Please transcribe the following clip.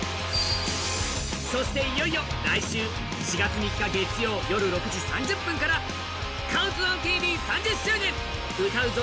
そしていよいよ来週４月３日月曜よる６時３０分からＣＤＴＶ３０周年歌うぞ！